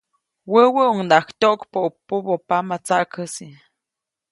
Wäwäʼunŋaʼajk tyoʼkpäʼu pobopama tsaʼkäsi.